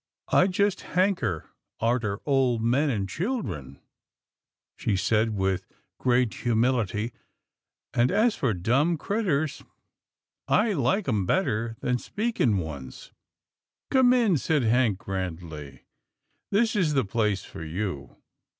" I just hanker arter old men and children," she 210 'TILDA JANE'S ORPHANS said with great humility, " and as for dumb critters, T like 'em better than speakin' ones." " Come in," said Hank grandly, " this is the place for you.